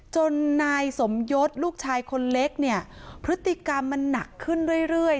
จนนายสมยศลูกชายคนเล็กเนี่ยพฤติกรรมมันหนักขึ้นเรื่อย